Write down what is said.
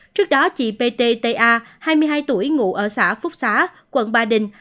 trước đó chị pt ta hai mươi hai tuổi ngủ ở xã phúc xá quận ba đình